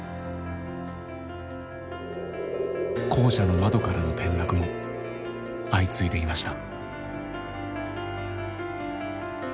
校舎の窓からの転落も相次いでいました。